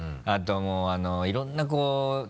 あともういろんな。